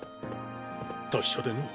達者での。